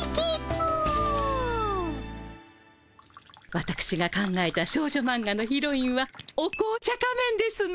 わたくしが考えた少女マンガのヒロインはお紅茶仮面ですの。